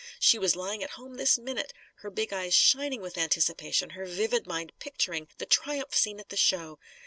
She was lying at home, this minute, her big eyes shining with anticipation, her vivid mind picturing the triumph scene at the show.